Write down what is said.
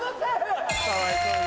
かわいそうに。